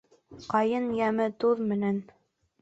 Ҡайын йәме туҙ менән